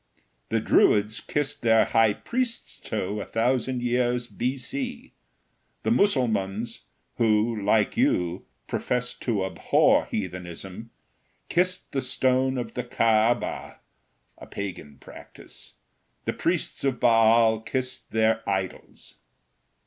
The Druids kissed their High Priest's toe a thousand years B.C. The Mussulmans who, like you, professed to abhor heathenism, kissed the stone of the Caaba—a pagan practice. The priests of Baal kissed their idols."